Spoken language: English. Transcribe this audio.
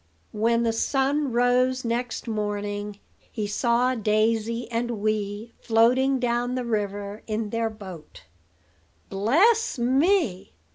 When the sun rose next morning, he saw Daisy and Wee floating down the river in their boat. "Bless me!